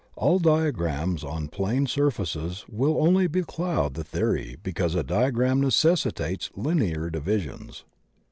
All diagrams on plane sur faces will only becloud the theory because a diagram necessitates linear divisions.